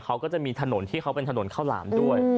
เขาก็จะมีถนนที่เขาเป็นถนนข้าวหลามด้วย